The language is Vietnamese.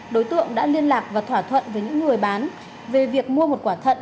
đối tượng đã liên lạc và thỏa thuận với những người bán về việc mua một quả thận